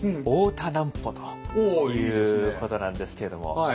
大田南畝ということなんですけれども。